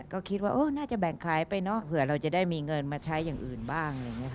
ก็คิดว่าน่าจะแบ่งคลายไปเนอะเผื่อเราจะได้มีเงินมาใช้อย่างอื่นบ้าง